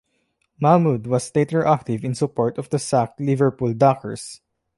Mahmood was later active in support of the sacked Liverpool Dockers.